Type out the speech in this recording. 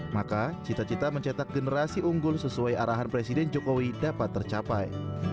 maka cita cita mencetak generasi unggul sesuai arahan presiden jokowi dapat tercapai